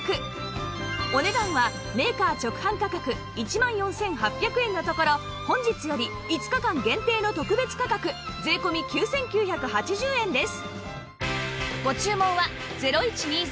お値段はメーカー直販価格１万４８００円のところ本日より５日間限定の特別価格税込９９８０円です